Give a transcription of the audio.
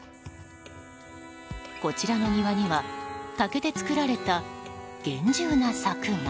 こちらの庭には竹で作られた厳重な柵が。